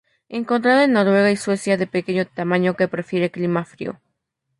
Encontrada en Noruega y Suecia, de pequeño tamaño, que prefiere clima frío.